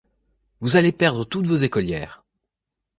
Vous allez perdre toutes vos écolières